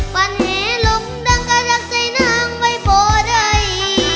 วันให้ลุกดังกะหรักใจน้างไว้โบได